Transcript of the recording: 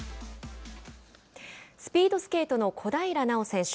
スピードスケートの小平奈緒選手。